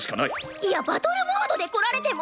いやバトルモードでこられても！